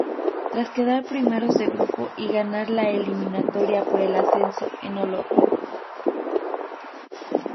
Tras quedar primeros de grupo y ganar la eliminatoria por el ascenso en Olot.